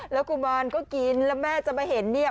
แล้วกุมารก็กินแล้วแม่จะมาเห็นเนี่ย